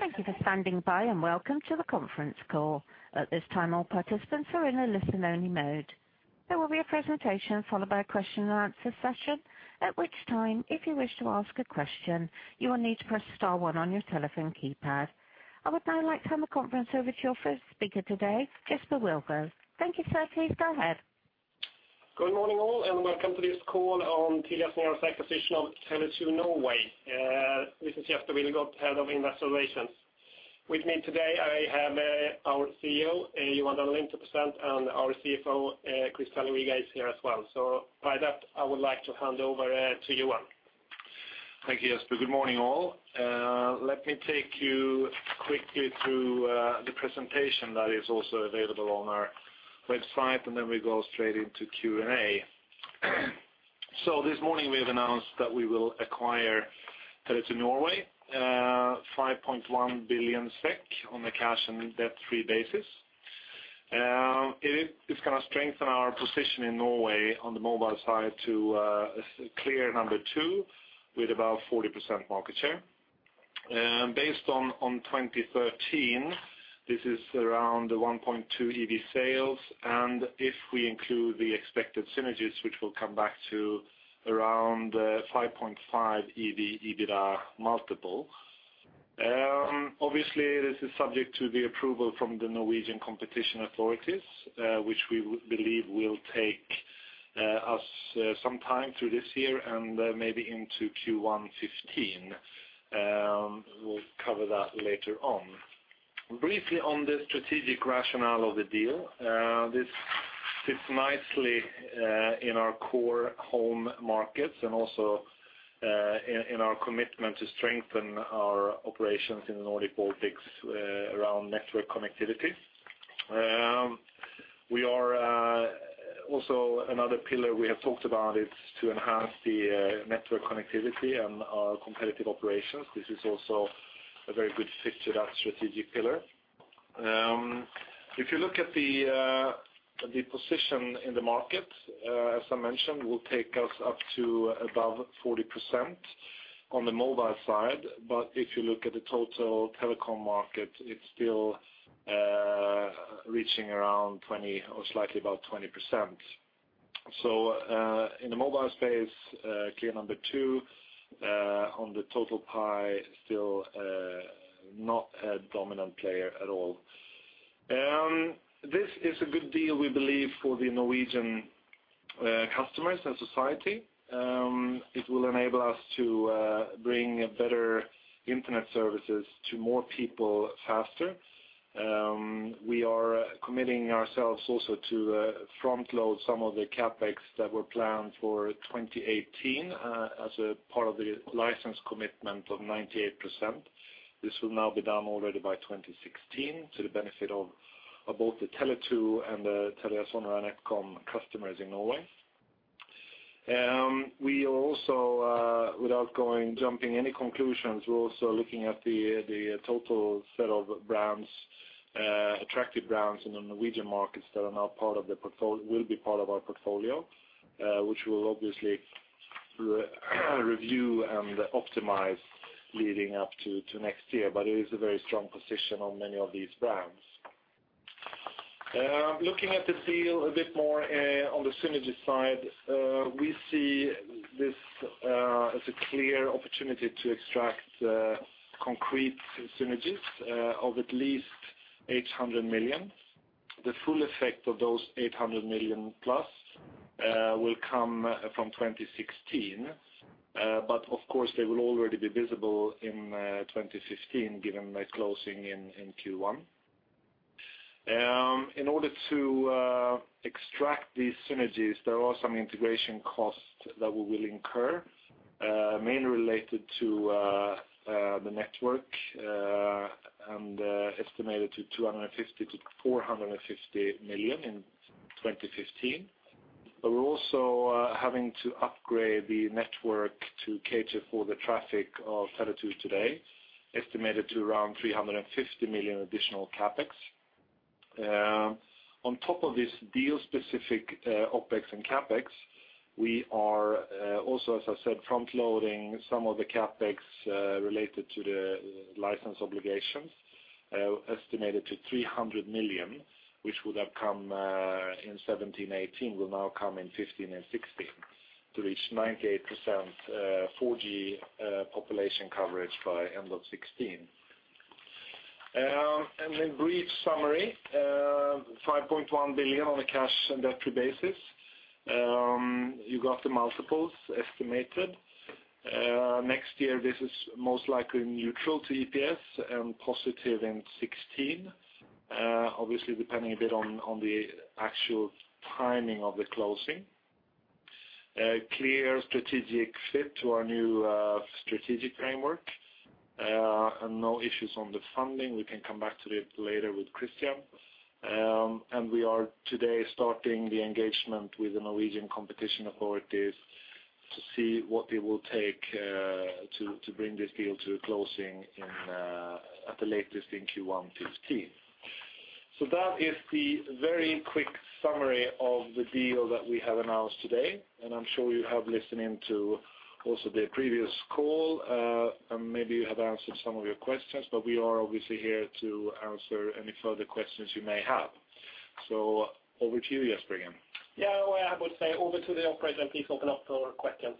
Thank you for standing by. Welcome to the conference call. At this time, all participants are in a listen-only mode. There will be a presentation followed by a question-and-answer session, at which time, if you wish to ask a question, you will need to press star one on your telephone keypad. I would now like to hand the conference over to your first speaker today, Jesper Wilgodt. Thank you, sir. Please go ahead. Good morning, all. Welcome to this call on Telia's latest acquisition of Tele2 Norway. This is Jesper Wilgodt, Head of Investor Relations. With me today, I have our CEO, Johan Dennelind, present, and our CFO, Christian Luiga, is here as well. With that, I would like to hand over to Johan. Thank you, Jesper. Good morning, all. Let me take you quickly through the presentation that is also available on our website. Then we'll go straight into Q&A. This morning we have announced that we will acquire Tele2 Norway, 5.1 billion SEK on a cash- and debt-free basis. It is going to strengthen our position in Norway on the mobile side to a clear number 2, with about 40% market share. Based on 2013, this is around 1.2 EV/Sales, and if we include the expected synergies, which we'll come back to, around 5.5 EV/EBITDA multiple. Obviously, this is subject to the approval from the Norwegian Competition Authority, which we believe will take us some time through this year and maybe into Q1 2015. We'll cover that later on. Briefly on the strategic rationale of the deal. This fits nicely in our core home markets. Also in our commitment to strengthen our operations in the Nordic Baltics around network connectivity. Another pillar we have talked about is to enhance the network connectivity and our competitive operations. This is also a very good fit to that strategic pillar. If you look at the position in the market, as I mentioned, will take us up to above 40% on the mobile side. If you look at the total telecom market, it's still reaching around 20% or slightly above 20%. In the mobile space, clear number 2. On the total pie, still not a dominant player at all. This is a good deal, we believe, for the Norwegian customers and society. It will enable us to bring better internet services to more people faster. We are committing ourselves also to front-load some of the CapEx that were planned for 2018 as a part of the license commitment of 98%. This will now be done already by 2016 to the benefit of both the Tele2 and the TeliaSonera NetCom customers in Norway. Without jumping to any conclusions, we're also looking at the total set of brands, attractive brands in the Norwegian markets that will be part of our portfolio, which we'll obviously review and optimize leading up to next year. It is a very strong position on many of these brands. Looking at the deal a bit more on the synergy side, we see this as a clear opportunity to extract concrete synergies of at least 800 million. The full effect of those 800 million-plus will come from 2016. Of course, they will already be visible in 2015 given the closing in Q1. In order to extract these synergies, there are some integration costs that we will incur, mainly related to the network, and estimated to 250 million-450 million in 2015. We're also having to upgrade the network to cater for the traffic of Tele2 today, estimated to around 350 million additional CapEx. On top of this deal-specific OpEx and CapEx, we are also, as I said, front-loading some of the CapEx related to the license obligations, estimated to 300 million, which would have come in 2017, 2018, will now come in 2015 and 2016 to reach 98% 4G population coverage by end of 2016. In brief summary, 5.1 billion on a cash- and debt-free basis. You got the multiples estimated. Next year, this is most likely neutral to EPS and positive in 2016, obviously depending a bit on the actual timing of the closing. A clear strategic fit to our new strategic framework. No issues on the funding. We can come back to it later with Christian. We are today starting the engagement with the Norwegian Competition authorities to see what it will take to bring this deal to a closing at the latest in Q1 2015. That is the very quick summary of the deal that we have announced today, and I'm sure you have listened in to also the previous call, and maybe you have answered some of your questions, but we are obviously here to answer any further questions you may have. Over to you, Jesper. I would say over to the operator. Please open up for questions.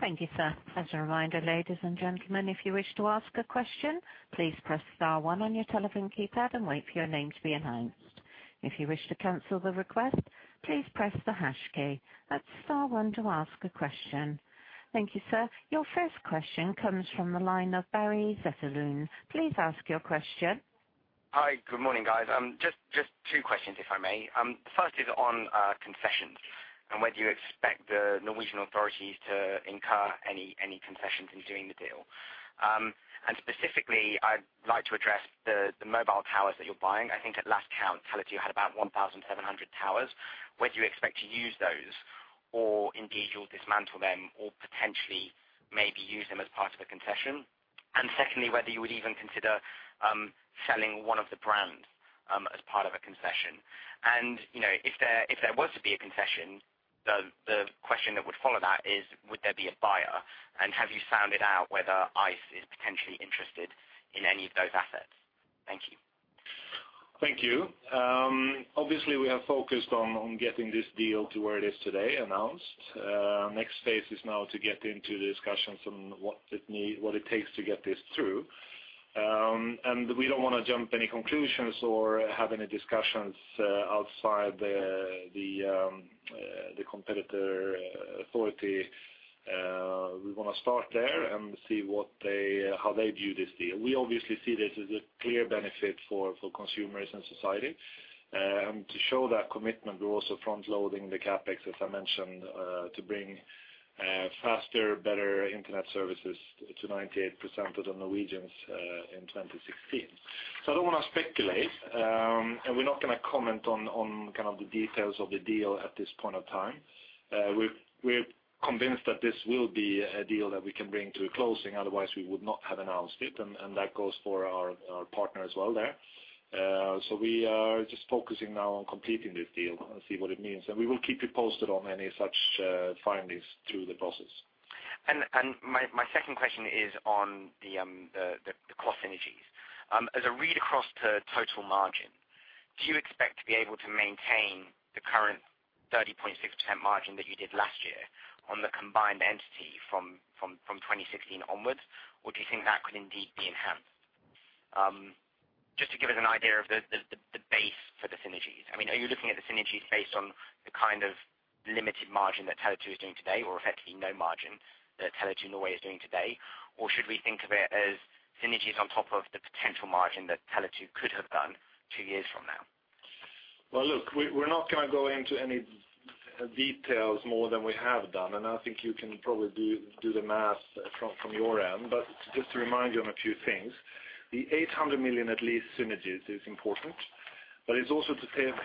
Thank you, sir. As a reminder, ladies and gentlemen, if you wish to ask a question, please press star one on your telephone keypad and wait for your name to be announced. If you wish to cancel the request, please press the hash key. That's star one to ask a question. Thank you, sir. Your first question comes from the line of Barry Zetterlund. Please ask your question. Hi. Good morning, guys. Just two questions, if I may. First is on concessions and whether you expect the Norwegian authorities to incur any concessions in doing the deal. Specifically, I'd like to address the mobile towers that you're buying. I think at last count, Telia, you had about 1,700 towers. Whether you expect to use those or indeed you'll dismantle them or potentially maybe use them as part of a concession. Secondly, whether you would even consider selling one of the brands as part of a concession. If there was to be a concession, the question that would follow that is would there be a buyer, and have you sounded out whether ICE is potentially interested in any of those assets? Thank you. Thank you. Obviously, we are focused on getting this deal to where it is today, announced. Next phase is now to get into the discussions on what it takes to get this through. We don't want to jump any conclusions or have any discussions outside the competitor authority. We want to start there and see how they view this deal. We obviously see this as a clear benefit for consumers and society. To show that commitment, we're also front-loading the CapEx, as I mentioned, to bring faster, better internet services to 98% of the Norwegians in 2016. I don't want to speculate, and we're not going to comment on the details of the deal at this point of time. We're convinced that this will be a deal that we can bring to a closing, otherwise we would not have announced it, and that goes for our partner as well there. We are just focusing now on completing this deal and see what it means, and we will keep you posted on any such findings through the process. My second question is on the cost synergies. As a read across to total margin, do you expect to be able to maintain the current 30.6% margin that you did last year on the combined entity from 2016 onwards, or do you think that could indeed be enhanced? Just to give us an idea of the base for the synergies. Are you looking at the synergies based on the kind of limited margin that Telia is doing today, or effectively no margin that Telia Norway is doing today, or should we think of it as synergies on top of the potential margin that Telia could have done two years from now? Look, we're not going to go into any details more than we have done, I think you can probably do the math from your end. Just to remind you on a few things, the 800 million at least synergies is important, it's also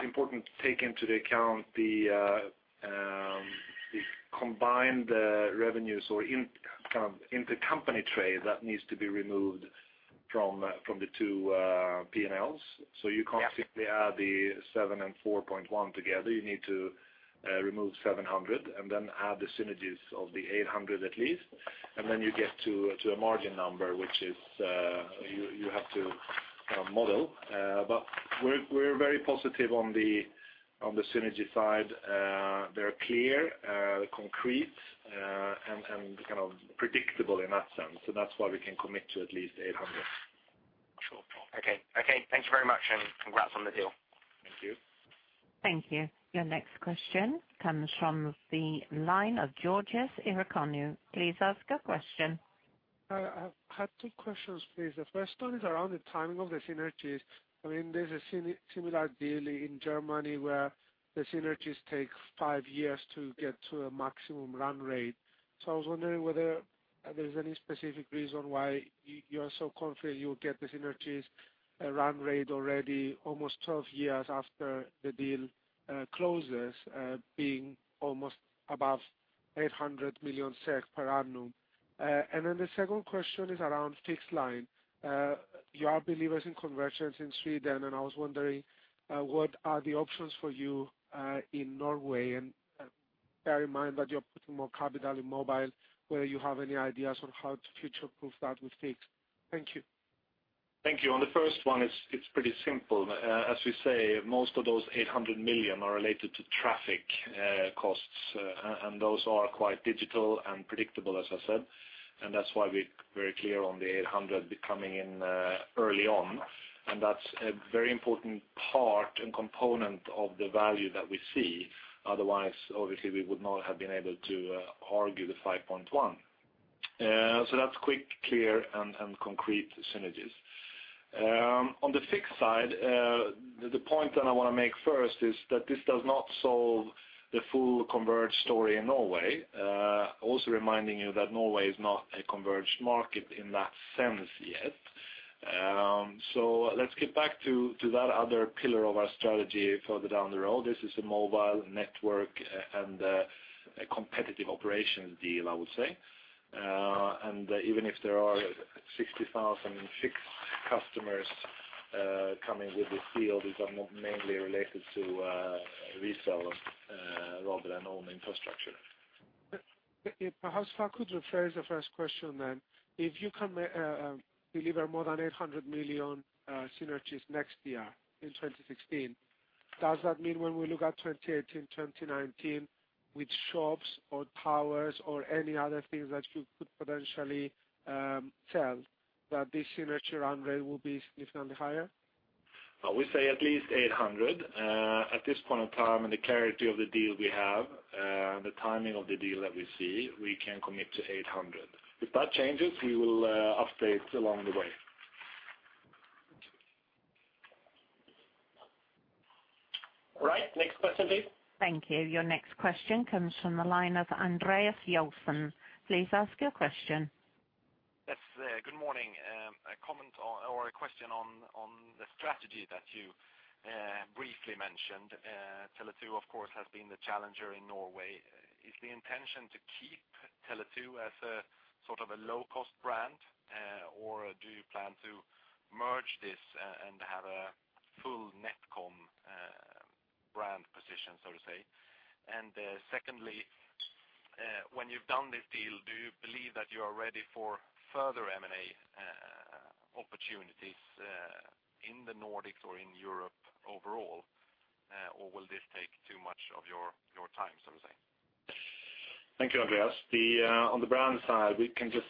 important to take into account the combined revenues or intercompany trade that needs to be removed from the two P&Ls. You can't simply add the 7 billion and 4.1 billion together. You need to remove 700 million and then add the synergies of the 800 million at least, then you get to a margin number, which you have to model. We're very positive on the synergy side. They're clear, concrete, and predictable in that sense. That's why we can commit to at least 800 million. Sure. Okay. Thank you very much, congrats on the deal. Thank you. Thank you. Your next question comes from the line of George Irimie. Please ask a question. I have two questions, please. The first one is around the timing of the synergies. There's a similar deal in Germany where the synergies take five years to get to a maximum run rate. I was wondering whether there's any specific reason why you are so confident you'll get the synergies run rate already almost 12 years after the deal closes, being almost above 800 million SEK per annum. The second question is around fixed line. You are believers in convergence in Sweden, and I was wondering what are the options for you in Norway, and bear in mind that you're putting more capital in mobile, whether you have any ideas on how to future-proof that with fixed. Thank you. Thank you. On the first one, it's pretty simple. As we say, most of those 800 million are related to traffic costs, and those are quite digital and predictable, as I said. That's why we're very clear on the 800 million coming in early on. That's a very important part and component of the value that we see. Otherwise, obviously, we would not have been able to argue the 5.1 billion. That's quick, clear, and concrete synergies. On the fixed side, the point that I want to make first is that this does not solve the full converged story in Norway. Reminding you that Norway is not a converged market in that sense yet. Let's get back to that other pillar of our strategy further down the road. This is a mobile network and a competitive operations deal, I would say. Even if there are 60,000 fixed customers coming with this deal, these are mainly related to resellers rather than own infrastructure. Perhaps if I could rephrase the first question then. If you can deliver more than 800 million synergies next year in 2016, does that mean when we look at 2018, 2019 with shops or towers or any other things that you could potentially sell, that this synergy run rate will be significantly higher? We say at least 800 million. At this point in time and the clarity of the deal we have, the timing of the deal that we see, we can commit to 800 million. If that changes, we will update along the way. Right. Next question, please. Thank you. Your next question comes from the line of Andreas Joelsson. Please ask your question. Yes. Good morning. A comment or a question on the strategy that you briefly mentioned. Tele2, of course, has been the challenger in Norway. Is the intention to keep Tele2 as a sort of a low-cost brand, or do you plan to merge this and have a full NetCom brand position, so to say? Secondly, when you've done this deal, do you believe that you are ready for further M&A opportunities in the Nordics or in Europe overall, or will this take too much of your time, so to say? Thank you, Andreas. On the brand side, we can just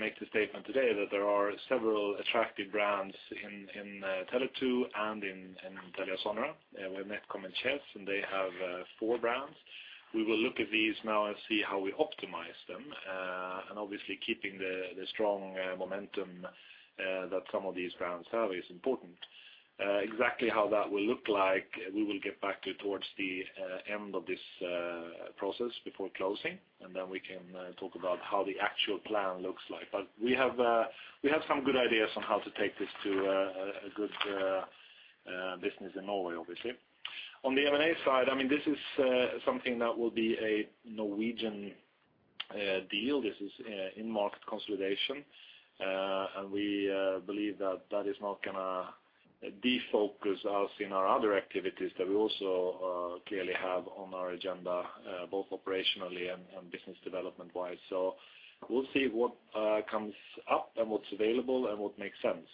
make the statement today that there are several attractive brands in Tele2 and in TeliaSonera. We have NetCom and Chess. They have four brands. We will look at these now and see how we optimize them. Obviously keeping the strong momentum that some of these brands have is important. Exactly how that will look like, we will get back to towards the end of this process before closing. Then we can talk about how the actual plan looks like. We have some good ideas on how to take this to a good business in Norway, obviously. On the M&A side, this is something that will be a Norwegian deal. This is in-market consolidation. We believe that that is not going to defocus us in our other activities that we also clearly have on our agenda, both operationally and business development wise. We'll see what comes up and what's available and what makes sense.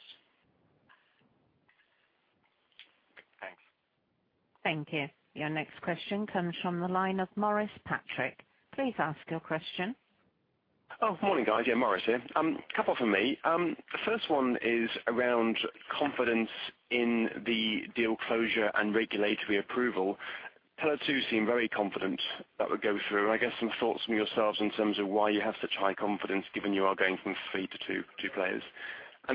Thanks. Thank you. Your next question comes from the line of Maurice Patrick. Please ask your question. Morning, guys. Maurice here. A couple from me. The first one is around confidence in the deal closure and regulatory approval. Tele2 seem very confident that would go through. I guess some thoughts from yourselves in terms of why you have such high confidence given you are going from three to two players.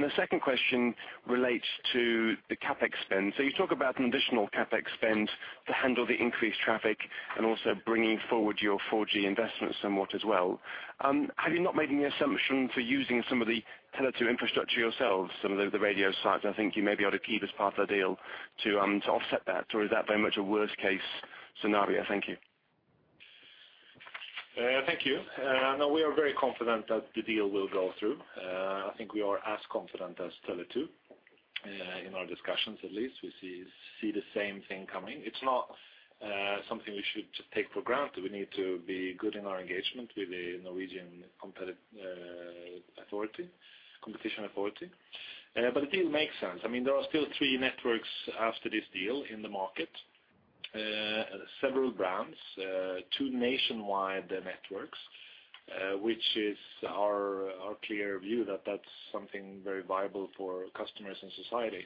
The second question relates to the CapEx spend. You talk about an additional CapEx spend to handle the increased traffic and also bringing forward your 4G investments somewhat as well. Have you not made any assumption for using some of the Tele2 infrastructure yourselves, some of the radio sites I think you may be able to keep as part of the deal to offset that, or is that very much a worst-case scenario? Thank you. Thank you. We are very confident that the deal will go through. I think we are as confident as Tele2 in our discussions, at least. We see the same thing coming. It's not something we should just take for granted. We need to be good in our engagement with the Norwegian Competition Authority. The deal makes sense. There are still three networks after this deal in the market. Several brands, two nationwide networks, which is our clear view that that's something very viable for customers in society.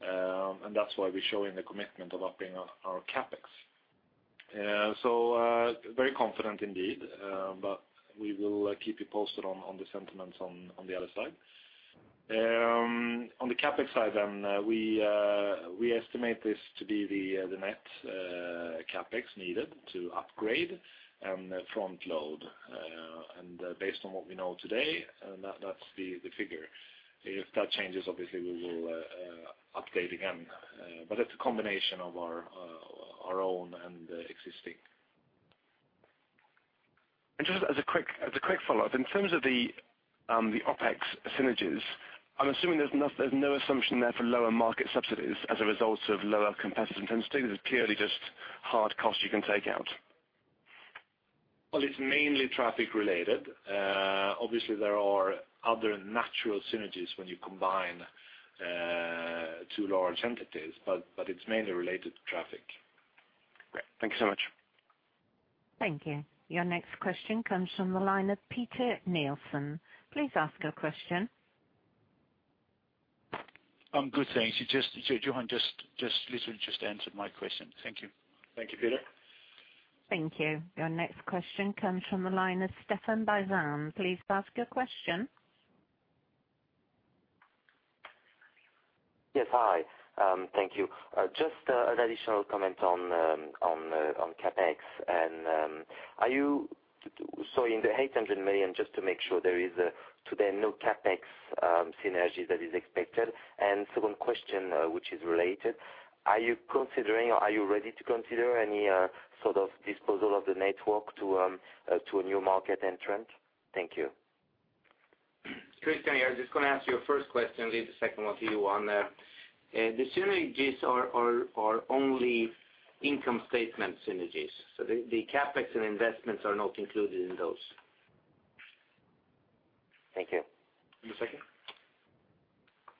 That's why we're showing the commitment of upping our CapEx. Very confident indeed, but we will keep you posted on the sentiments on the other side. On the CapEx side, we estimate this to be the net CapEx needed to upgrade and front load. Based on what we know today, that's the figure. If that changes, obviously, we will update again. It's a combination of our own and existing. Just as a quick follow-up, in terms of the OpEx synergies, I'm assuming there's no assumption there for lower market subsidies as a result of lower competitive intensity. This is clearly just hard costs you can take out. Well, it's mainly traffic related. Obviously, there are other natural synergies when you combine two large entities, but it's mainly related to traffic. Great. Thank you so much. Thank you. Your next question comes from the line of Peter Nielsen. Please ask your question. Good, thanks. Johan literally just answered my question. Thank you. Thank you, Peter. Thank you. Your next question comes from the line of Stefan Gauffin. Please ask your question. Yes, hi. Thank you. Just an additional comment on CapEx. In the 800 million, just to make sure there is today no CapEx synergy that is expected. Second question, which is related, are you considering or are you ready to consider any sort of disposal of the network to a new market entrant? Thank you. Christian, I was just going to ask you a first question, leave the second one to you Johan. The synergies are only income statement synergies. The CapEx and investments are not included in those. Thank you.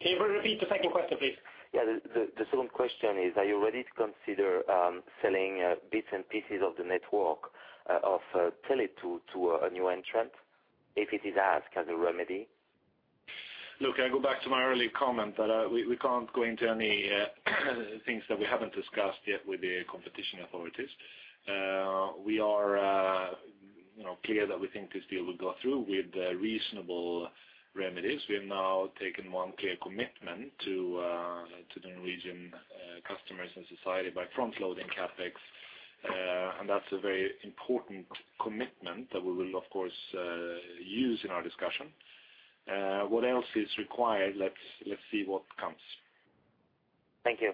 Can you repeat the second question, please? The second question is, are you ready to consider selling bits and pieces of the network of Tele2 to a new entrant if it is asked as a remedy? I go back to my earlier comment that we can't go into any things that we haven't discussed yet with the competition authorities. We are clear that we think this deal will go through with reasonable remedies. We have now taken one clear commitment to the Norwegian customers and society by front-loading CapEx, and that's a very important commitment that we will, of course, use in our discussion. What else is required? Let's see what comes. Thank you.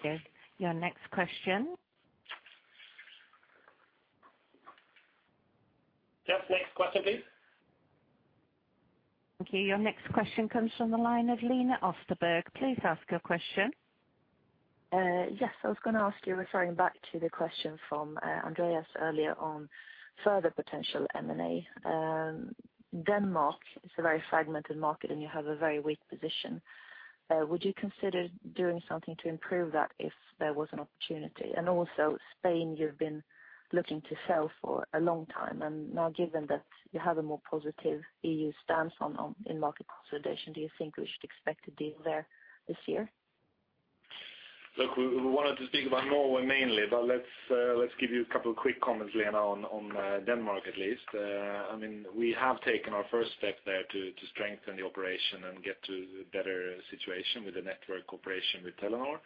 Okay. Your next question. Yes, next question, please. Thank you. Your next question comes from the line of Lena Österberg. Please ask your question. Yes, I was going to ask you, referring back to the question from Andreas earlier on further potential M&A. Denmark is a very fragmented market, and you have a very weak position. Would you consider doing something to improve that if there was an opportunity? Also, Spain, you've been looking to sell for a long time, and now given that you have a more positive EU stance in market consolidation, do you think we should expect a deal there this year? Look, we wanted to speak about Norway mainly. Let's give you a couple of quick comments, Lena, on Denmark at least. We have taken our first step there to strengthen the operation and get to a better situation with the network operation with Telenor,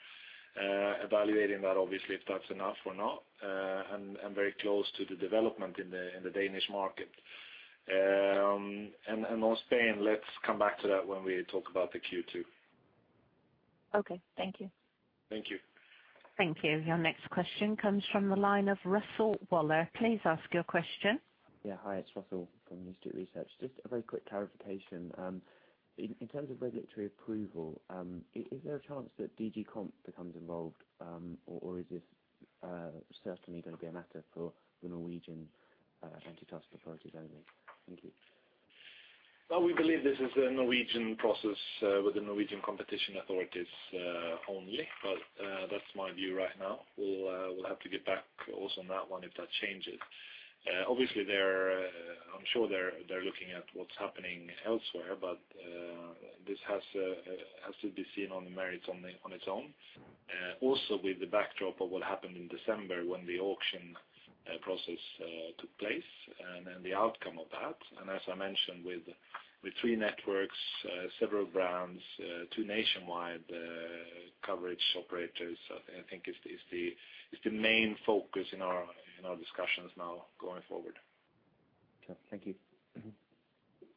evaluating that, obviously, if that's enough or not, and very close to the development in the Danish market. On Spain, let's come back to that when we talk about the Q2. Okay. Thank you. Thank you. Thank you. Your next question comes from the line of Russell Waller. Please ask your question. Yeah. Hi, it's Russell from New Street Research. Just a very quick clarification. In terms of regulatory approval, is there a chance that DG Competition becomes involved, or is this certainly going to be a matter for the Norwegian antitrust authorities only? Thank you. Well, we believe this is a Norwegian process with the Norwegian competition authorities only. That's my view right now. We'll have to get back also on that one if that changes. I'm sure they're looking at what's happening elsewhere, this has to be seen on the merits on its own. Also, with the backdrop of what happened in December when the auction process took place and the outcome of that. As I mentioned, with three networks, several brands, two nationwide coverage operators, I think is the main focus in our discussions now going forward. Okay. Thank you.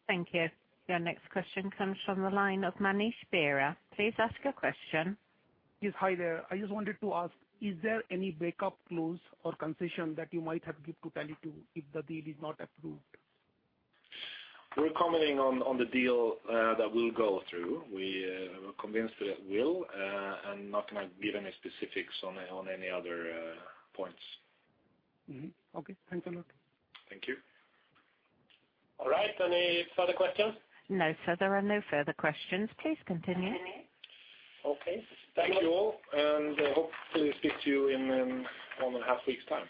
Thank you. Your next question comes from the line of Manish Beria. Please ask your question. Yes. Hi there. I just wanted to ask, is there any breakup clause or concession that you might have give to Tele2 if the deal is not approved? We're commenting on the deal that will go through. We are convinced that it will, and not going to give any specifics on any other points. Okay. Thanks a lot. Thank you. All right, any further questions? No, sir. There are no further questions. Please continue. Okay. Thank you all, and hope to speak to you in one and a half weeks' time.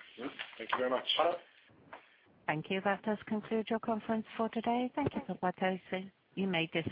Thank you very much. Thank you. That does conclude your conference for today. Thank you for participating. You may disconnect.